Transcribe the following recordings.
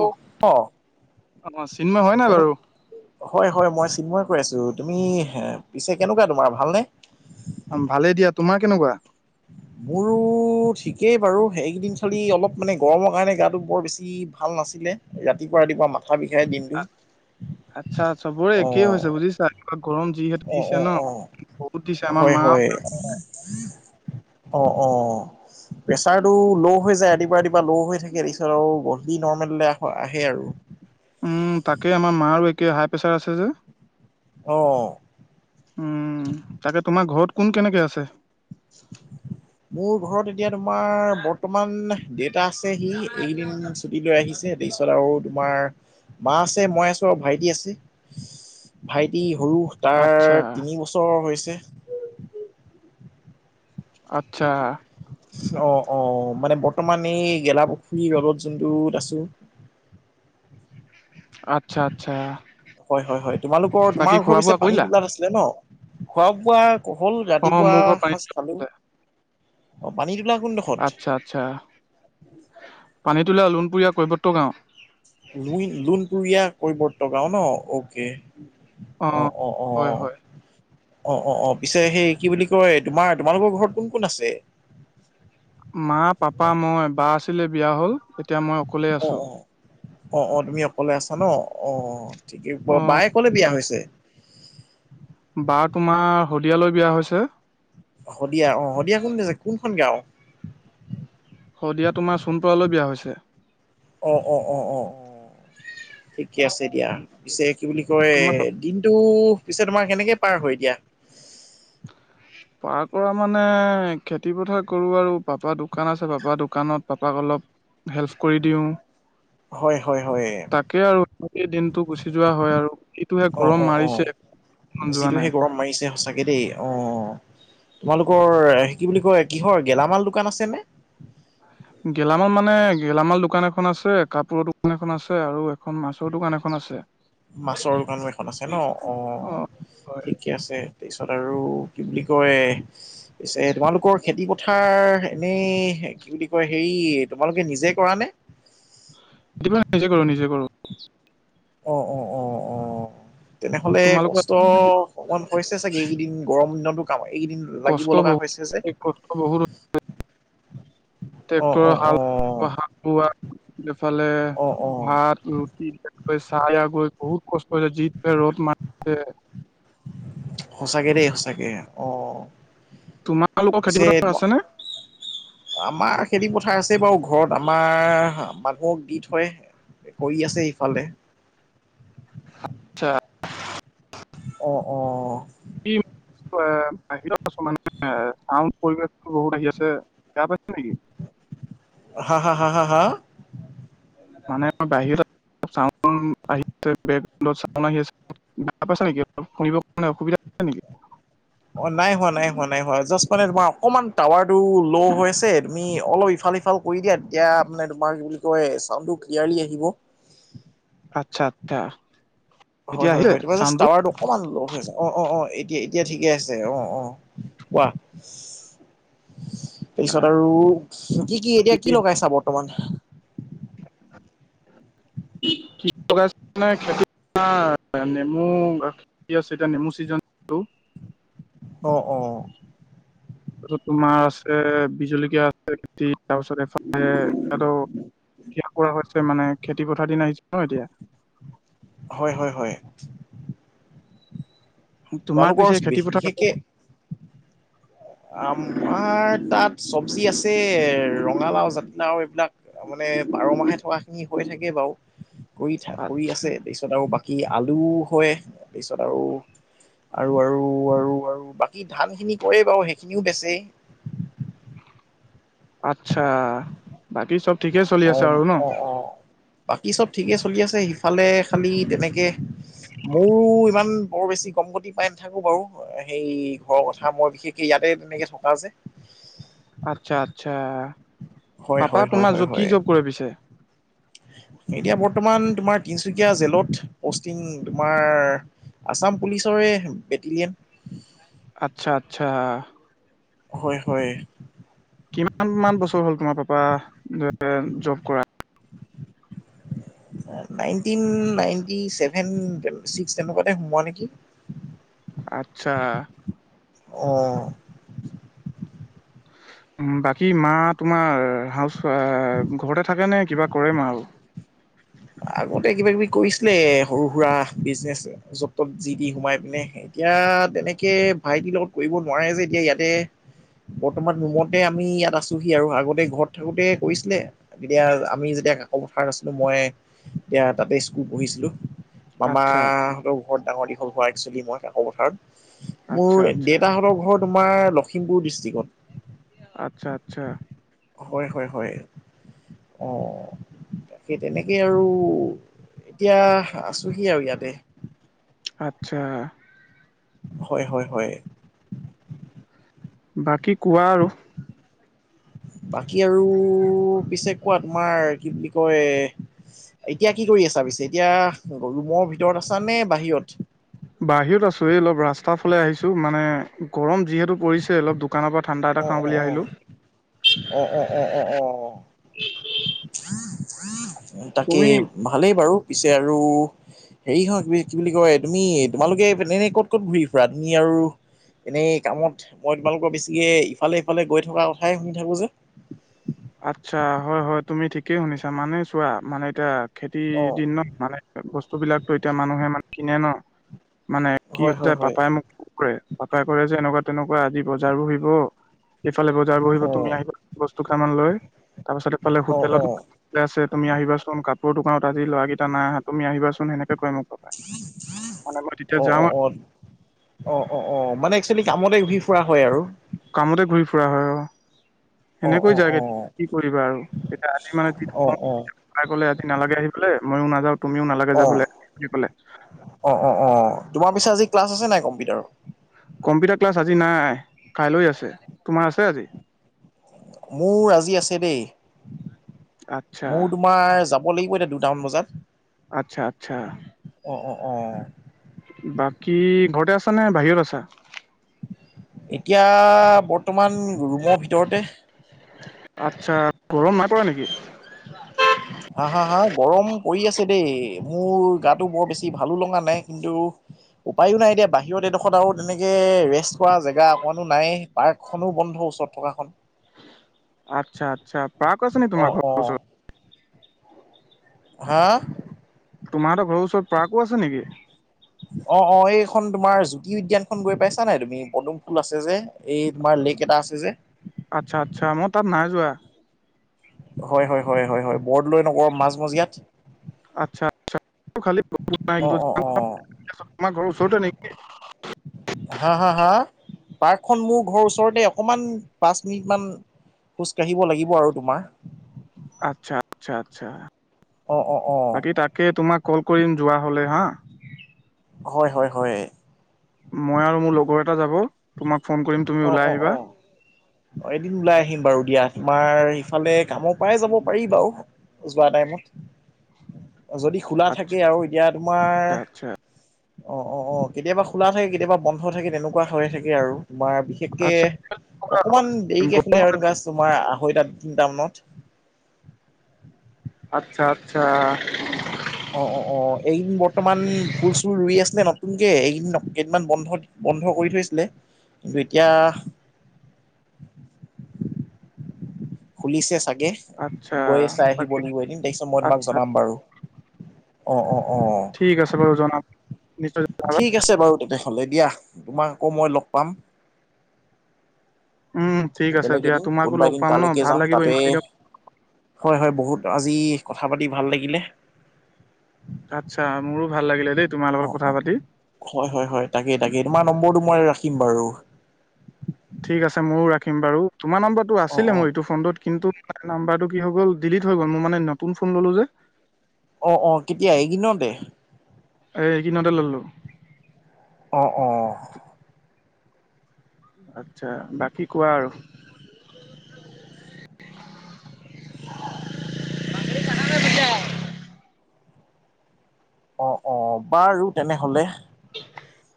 অ চিন্ময় হয় নাই বাৰু হয়, হয় মই চিনমই এ' কৈ আছো। তুমি পিছে কেনেকুৱা তোমাৰ ভালনে? ভালেই দিয়া তোমাৰ কেনেকুৱা? মোৰো। ঠিকেই বাৰু সেইকেইদিন খালি অলপ মানে গৰমৰ কাৰণে গাটো বৰ বেছি ভাল নাছিলে ৰাতিপুৱা ৰাতিপুৱা মা মাথা বিষায় দনটো অ'। চা গৰম যিহে। অ', অ', অ', হয়, মা হয়। অ', অ', প্ৰচাৰটো ল' হৈ যায় ৰাতিপুৱা, ৰাতিপুৱা ল' হৈ থাকে। [unintelligible] তাৰপিছত আৰু গধুলি নৰ্মেললৈ আহে আৰু। উম, তাকে আমাৰ মাৰো একে হাই প্ৰেছাৰ আছে যে। অ'। উম, তাকে তোমাৰ ঘৰত কোন কেনেকে আছে? মোৰ ঘৰত এতিয়া তোমাৰ বৰ্তমান দেটা আছে হি [unintelligible] ছুটি লৈ আহিছে তাৰপিছত আৰু তোমাৰ মা আছে, মই আছো আৰু ভাইটি আছে। ভাইটি সৰু আচ্ছা তাৰ তিনি বছৰ হৈছে। আচ্ছা। অ অ মানে বৰ্তমান এই গেলাপুখুৰীৰ লগত যোনটোত আছো। আচ্ছা আচ্ছা। হয় হয় হয় তোমালোকৰ তোমাৰ বাকী ঘৰৰ খোৱা পিছে বোৱা পানী কৰিলা? তোলাত আছিলে ন? খোৱা বোৱা? হ'ল অ ৰাতিপুৱা মোৰ ঘৰ পানী সজ খালো। অ পানী তোলা কোন দেখ? আচ্ছা আচ্ছা পানী তোলা লোণপুৰীয়া কবত্ত গাঁওত। লুন লুণপুৰীয়া কৈ বৰ্তগাঁও ন অকে। অ অ অ। হয় হয় অ অ অ পিছে সেই কি বুলি কয় তোমাৰ তোমালোকৰ ঘৰত কোন কোন আছে? মা পাপা মই বা আছিলে বিয়া হ'ল এতিয়া মই অকলেই অ আছোঁ। অ অ তুমি অকলে আছা ন অ ঠিকেই অ বাই অকলে বিয়া হৈছে? বাৰ তোমাৰ শদিয়ালৈ বিয়া হৈছে। শদিয়া অ শদিয়া কোনছে কোনখন গাও? শদিয়া তোমাৰ চোণপলৈ বিয়া হৈছে। অ অ অ অ অ ঠিকে আছে দিয়া পিছে কি বুলি কয় তোমাৰ দিনটো পিছেত তোমাৰ সেনেকে পাৰ হয় এতিয়া। পাৰ কৰা মানে খেতি পথাৰ কৰোঁ আৰু পাপাৰ দোকান আছে পাপাৰ দোকানত পাপাক অলপ। হেল্প কৰি দিওঁ। হয় হয় হয়। তাকে আৰু এ দিনটো গুচি যোৱা হয় আৰু যটোহে অ অ গৰম অ মাৰিছে। মন যোৱা যিটোহে গৰম মাৰিছে সঁচাকে। তাকে দেই অ তোমালোকৰ কি বুলি কয় কিহৰ গেলামাল দোকান আছে নে? গেলামাল মানে গেলামাল দোকান এখন আছে কাপোৰৰ দোকান এখন আছে আৰু এখন মাছৰ দোকান এখন আছে। মাছৰ দোকানো এখন আছে ন অ। ঠিকে আছে তাৰ পিছত আৰু কি বুলি কয়। পিছে তোমালোকৰ খেতিপথাৰ এনেই কি বুলি কয় হেৰি তোমালোকে নিজে কৰা নে? এতিপা নিজে কৰো নিজে কৰো। অ অ অ অ তেনেহলে তোমালোকৰ কষ্ট। অকমান হৈছে চাগে এইকেইদিন গৰম দিনতো কাম এইকেইদিন লাগিব কষ্ট লগা হৈছে যে। বহুত কষ্ট অ', ট্ৰেক্টৰৰ অ', হাল অ', হাল বোৱা এইফালে। অ', অ'। ভাত ৰুটিকৈ চাই গৈ বহুত কষ্ট হৈছে যিটে ৰ'দ মাৰিছে। সচাকে দেই সঁচাকে অ। তোমালোকৰ পিছে খেতিপথাৰ আছেনে? আমাৰ খেতি পথাৰ আছে বাৰু ঘৰত আমাৰ মানুহক দি থয়। হৈ আছে ইফালে। চাৰ। অ অ অ। আছো মানো। পৰিৱেশ বহুত আহি আছে বেয়া পাইছে নেকি? হা হা হা হা হা। মানে বাহিৰত চা আহ চা আহ আছে। বাপ পাইছা নেকি শুনিব কাৰণে অসুবিধা? হৈছে নেকি? অ নাই হোৱা নাই হ নাই জাষ্ট মানে তোমাৰ অকমান টাৱাৰ টো ল' হৈ আছে তুমি অলপ ইফাল সফাল। কৰি দিয়া তেতিয়া মানে তোমাৰ কি বুলি কয় চাউণ্ডটো ক্লিয়াৰলি আহিব। আচ্ছা আচ্ছা। এতিয়া হয় আহিলে হয় তিবা জাষ্ট চাউণ্ডটো? টাৱাৰ। অকমান লগৰ হৈ আছে অ অ অ এতিয়া এতিয়া ঠিকে আছে অ অ কোৱা। [inaudible] তাৰপিছত বাকী আৰু কি কি এতিয়া কি লগাইছা বৰ্তমান? [inaudible] কি লগাই ন খেতি নেমু সতিয়া নেমু চিজনটো অ অ তাৰপাছত তোমাৰ আছে বি জলকীয়া আছে তাৰপিছত এফালে শেষ হোৱা হৈছে মানে খেতি পথাৰ দিন আহিছে ন এতিয়া হয় হয় হয় তোমাৰ পিছে তেওঁলোকৰ খেতি পথাৰ বিচিকে আমাৰ তাত চব্জি আছে ৰঙালাও জাতিলাও এইবিলাক তাৰ মানে বাৰ মাহে থকা খিনি হৈ থাকে বাৰু কৰি থ কৰি আচ্ছা আছে তিছত আৰু বাকী আলু হয় তপিছত আৰু আৰু আৰু আৰু আৰু বাকী ধান খিনি কৰে বাৰ সেইখিনিও বেচেই আচ্ছা বাকী চব ঠিকে চলি অ আছে আৰু ন অ অ বাকী চব ঠিকেই চলি আছে সিফালে খালী তেনেকৈ মোৰো ইমান বৰ বেছি গম গতি পাই নাথাকো বাৰু সেই ঘৰৰ কথা মই বিশেষকে ইয়াতে তেনেকে থকা যে আচ্ছা আচ্ছা হয় পাপা হয় হয় তোমাৰ হয় য কি হয় জব কৰে পিছে এতিয়া বৰ্তমান তোমাৰ তিনিচুকীয়া জেলত পষ্টিং তোমাৰ আছাম পুলিচৰে বেটেলিয়ন আচ্ছা আচ্ছা হয় হয় কিমান মান বছৰ হ'ল তোমাৰ পাপা যে জব কৰা নাইন্তিন নাইন্তি চেভেন তেনেকুৱাতে সোমোৱা নেকি অট্চা অঁ বাকী মা তোমাৰ হাউচাইফ ঘৰতে থাকেনেে কিবা কৰে মা আৰু আগতে কিবা কিবি কৰিছিলে সৰু সুৰা বিজনেচ য'ত ত'ত যি দি সোমাই পিনে এতিয়া তেনেকে ভাইটিৰ লগত কৰিব নোৱাৰে যে এতিয়া ইয়াতে বৰ্তমান ৰুমতে আমি ইয়াত আছোহি আৰু আগতে ঘৰত থাকোতে কৰিছিলে তেতিয়া আমি যেতিয়া কাকৌ কথ নাছিলো মই এতিয়া তাতে স্কুল পঢ়িছিলোঁ আচ্ছা আচ্ছা মামাহঁতক ঘৰত ডাঙৰ দিঘল হোৱা একচুৱেলি মই কাকপথাৰত। মোৰ আচ্ছা আচ্ছা দেতা হঁতৰ ঘৰত তোমাৰ লখিমপুৰ ডিষ্ট্ৰিক্টত। আচ্ছা আচ্ছা। হয় হয় হয়। অ', তাকে তেনেকেই আৰু এতিয়া আছোঁহি আৰু ইয়াতে। আচ্ছা। হয় হয় হয়। বাকী কোৱা আৰু বাকী আৰু পিছে কোৱা তোমাৰ কি বুলি কয় এতিয়া কি কৰি আছা পিছে, এতিয়া ৰুমৰ ভিতৰত আছা নে বাহিৰত? বাহিৰত আছো এই অলপ ৰাস্তাৰ ফালে আহিছোঁ, মানে গৰম যিহেতু পৰিছে অলপ দুপ দোকৰ ঠাণ্ডা এটা অ অ খাওঁ অ বুলি আহিলো অ অ অ অ অ তাকে তুমি ভালেই বাৰু পিছে আৰু হেৰি হয় কি বুলি কয় তুমি তোমালোকে এনে ক'ত ক'ত ঘূৰি ফুৰা তুমি আৰু এনেই কামত মই তোমালোকৰ বেছিকৈ ইফালে সিফালে গৈ থকা কথাই শুনি থাকোঁ যে আচ্ছা হয় হয় তুমি ঠিকেই শুনিছা মানে চোৱা মানে এতিয়া খেতিৰ অ দিন ন মানে বস্তু বিলাকো এতিয়া মানুহে মানে কিনে ন মানে কি হয় হৈছে হয় হয় পাপাই মোক পাপাই কৰে যে এনেকুৱা তেনেকুৱা আজি বজাৰ বহিব এইফালে বজাৰ বহিব অ তুমি আহিবা বস্তু কেইামান লৈ তাৰপাছত এইফালে অ হোটেলত অ আছে তুমি আহিবাচোন কাপোৰৰ দোকানত আজি ল'ৰাকেইটা নাই আহা তুমি আহিবান সেনেকে কয় মোক অ অ অ [unintelligible] অ অ অ মানে একচুৱেলি কামতে [unintelligible] ফুৰা হয় আৰু। কামতে ঘূৰি ফুৰা হয় অ। অ সেনেকৈ অ যায় গে অ কি কৰিবা আৰু, এতিয়া আজি মানে অ অ তাই কলে আজি নালাগে আহিবলৈ ময়ো নাযাও তুমিও নালাগে অ যাবলৈ বুলি কলে। অ অ অ তোমাৰ পিছে আজি ক্লাছ আছে নাই কম্পিউটাৰৰ? কম্পিউটাৰ ক্লাছ আজি নাই কাইলৈ আছে। তোমাৰ আছে আজি? মোৰ আজি আছে দেই। আচ্ছা মোৰো তোমাৰ যাব লাগিব এতিয়া দুটামান বজাত। আচ্ছা আচ্ছা। অ-অ-অ। বাকী ঘৰতে আছা নে বাহিৰত আছা? এতিয়া বৰ্তমান ৰুমৰ ভিতৰতে। আচ্ছা গৰম নাইপৰা নেকি? হা-হা-হা গৰম পৰি আছে দেই মোৰ গাটো বৰ বেছি ভালো লগা নাই কিন্তু উপায়ো নাই এতিয়া বাহিৰত এডোখৰত আৰু তেনেকৈ ৰেষ্ট কৰা জেগা অকণো নাই। পাৰ্কখনো বন্ধ ওচৰত থকাখন। আচ্ছা আচ্ছা প্ৰাক আছে ন অ তোমাৰ অ ঘৰৰ ওচৰত? হা? তোমাৰ ঘৰৰ ওচৰত প্ৰাক আছে নেকি? অ অ এইখন তোমাৰ জ্যোতি উদ্যানখন গৈ পাইছা নাই তুমি? পদুম ফুল আছে যে। এই তোমাৰ লেক এটা আছে যে। আচ্ছা আচ্ছা মই তাত নাই যোৱা। হয়-হয়-হয়-হয়-হয় বৰ্দলৈ নকৰ মাজ মজিয়াত। আচ্ছা আচ্ছা অ অ অ [unintelligible] ঘৰৰ ওচৰতে নেকি? হা-হা-হা পাৰ্কখন মোৰ ঘৰৰ ওচৰতে অকমান পাঁচ মিনিট মান খোজ কাঢ়িব লাগিব আৰু তোমাৰ। আচ্ছা আচ্ছা আচ্ছা। অ অ অ। বাকী তাকে তোমাক কল কৰিম যোৱা হ'লে হা? হয় হয় হয়। মই আৰু মোৰ লগৰ এটা যাব তোমাক ফোন কৰিম তুমি অ ওলাই অ আহিবা অ। অ এদিন ওলাই আহিম বাৰু দিয়া তোমাৰ ইফালে কামৰ পৰাই যাব পাৰি বাৰু। জোৱা টাইমত। যদি খোলা আচ্ছা থাকে আৰু এতিয়া তোমাৰ আচ্ছা অ অ অ কেতিয়াবা খোলা থাকে কেতিয়াবা বন্ধ থাকে তেনেকুৱা হৈ থাকে আৰু, তোমাৰ বিশেষকে আচ্ছা অকণমান দেৰিকে খ'লে আৰু এনেকুৱা তোমাৰ আঢ়ৈটা তিনিটা মানত। আচ্ছা আচ্ছা। অ অ অ এইকদিন বৰ্তমান ফুল-চুল ৰুই আছিলে নতুনকে, এইকদিন কেইদিনমান বন্ধ বন্ধ কৰি থৈছিলে। কিন্তু এতিয়া খুলিছে চাগে, আচ্ছা গৈয় চাই আহিব বাকী লাগিব এদিন তাৰপিছত মই তোমাক আচ্ছা জনাম বাৰু। অ অ অ। ঠিক আছে বাৰু জনাম- নিশ্চয় ঠিক আছে বাৰু তেনেয়হ'লে দিয়া তোমাক আকৌ মই লগ পাম। উম ঠিক আছে বেলেগ দিয়া এদিন, তোমাকো কোনোবা লগ এদিন পাম ন তালৈকে ভাল যাম। লাগিব তাতে ইমান দিনৰ হয় হয় বহুত আজি কথা পাতি ভাল লাগিলে। আচ্ছা মোৰো ভাল লাগিলে দেই তোমাৰ লগত কথা পাতি। হয়-হয়-হয় তাকে-তাকে তোমাৰ নম্বৰটো মই ৰাখিম বাৰু। ঠিক আছে মইও ৰাখিম বাৰু তোমাৰ নম্বৰটো অ আছিলে অ মোৰ এইটো ফোনটোত কিন্তু নাম্বাৰটো কি হৈ গ'ল ডিলিট হৈ গ'ল। মই মানে নতুন ফোন ললোঁ যে। অ' অ' কেতিয়া এইকেইদিনতে। এ এই কেইদিনতে ললোঁ। অ' অ' আচ্ছা, বাকী কোৱা আৰু। অ' অ' বাৰু তেনে হ'লে।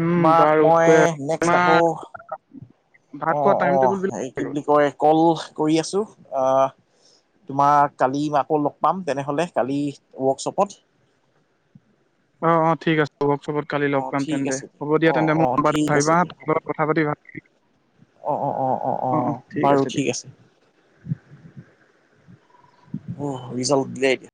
উম তোমাক বাৰু মই নেক্সট তোমাৰ আকৌ। ভাত খোৱা অ' টাইম টেবুল অ' বিলাক এই কি বুলি কয় কল কৰি আছো আহ। তোমাৰ কালি আকৌ লগ পাম তেনেহ'লে কালি ৱৰ্কশ্বপত। অ' অ' ঠিক আছে ৱৰ্কশ্বপত কালি অ লগ পাম, ঠিক তেন্তে আছে হ'ব দিয়া, অ তেন্তে অ মোৰ নম্বাৰ ঠিক আছে ভাবিবা দিয়া হ'ব হা। দিয়া কথা পাতি ভাল অ' অ' অ' অ' অ' বাৰু ঠিক আছে। অ' ৰিজাল্ট ব্ৰেক।